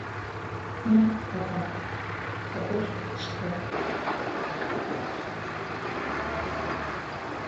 Ma, Adam, khebır şşte!